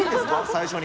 最初に。